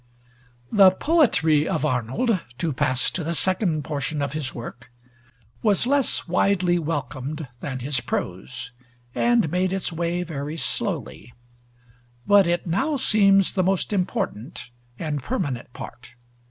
The poetry of Arnold, to pass to the second portion of his work, was less widely welcomed than his prose, and made its way very slowly; but it now seems the most important and permanent part.